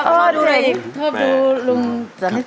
โดยเชียร์มวยไทยรัฐมาแล้ว